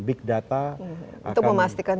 big data itu memastikan